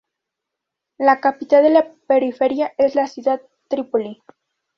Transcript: La capital de la periferia es la ciudad de Trípoli.